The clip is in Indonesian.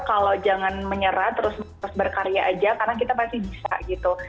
kalau jangan menyerah terus berkarya aja karena kita pasti bisa gitu